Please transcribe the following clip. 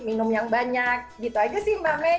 minum yang banyak gitu aja sih mbak may